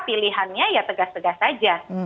pilihannya ya tegas tegas saja